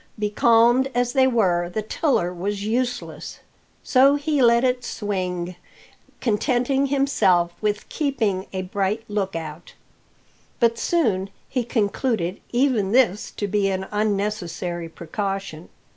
Becalmed as they were, the tiller was useless, so he let it swing, contenting himself with keeping a bright look out. But soon he concluded even this to be an unnecessary precaution.